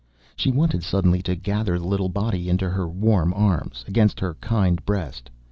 She wanted suddenly to gather the little body into her warm arms, against her kind breast.